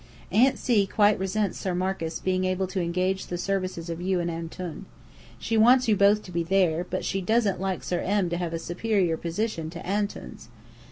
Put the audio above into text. Aunt C. quite resents Sir Marcus being able to engage the services of you and Antoun. She wants you both to be there, but she doesn't like Sir M. to have a superior position to Antoun's.